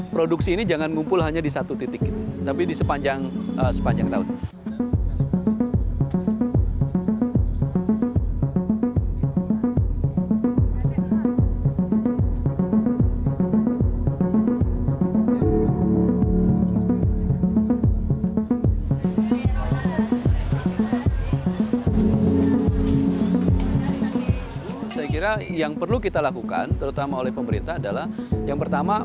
produksi ini jangan ngumpul hanya di satu titik tapi di sepanjang tahun